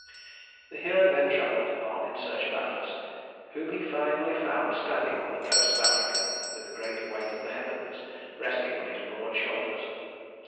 The hero then traveled on in search of Atlas, whom he finally found standing on the coast of Africa, with the great weight of the heavens resting on his broad shoulders.